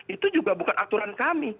itu juga bukan aturan kami